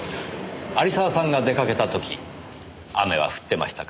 有沢さんが出かけた時雨は降ってましたか？